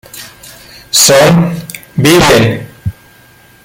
Son "¡Viven!